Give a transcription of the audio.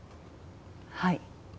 はい。